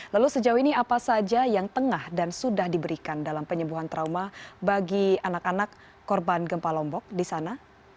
lalu sejauh ini apa saja yang tengah dan sudah diberikan dalam penyembuhan trauma bagi anak anak korban gempa lombok di sana